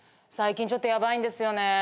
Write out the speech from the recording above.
最近ちょっとヤバいんですよね。